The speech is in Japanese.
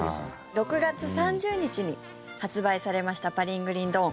６月３０日に発売されました「パリングリンドーン」。